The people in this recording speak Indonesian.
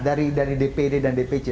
dari dpd dan dpc